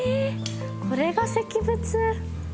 これが石仏。